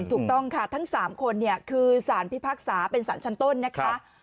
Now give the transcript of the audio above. ถูกต้องค่ะทั้ง๓คนคือสารพิพากษาเป็นสารชั้นต้นนะคะ